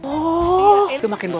bang ocitqi banyaknya